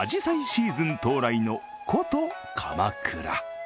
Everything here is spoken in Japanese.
シーズン到来の古都・鎌倉。